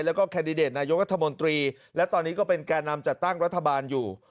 แล้วก็แคนดิเดตนายกรัฐมนตรีและตอนนี้ก็เป็นแก่นำจัดตั้งรัฐบาลอยู่